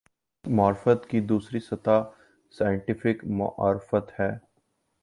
معرفت کی دوسری سطح "سائنٹیفک معرفت" ہے۔